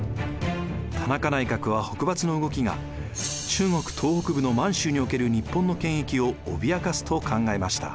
田中内閣は北伐の動きが中国東北部の満州における日本の権益を脅かすと考えました。